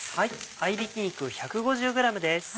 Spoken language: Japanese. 合いびき肉１５０ｇです。